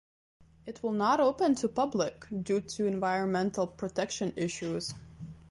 It will not open to public due to environmental protection issues.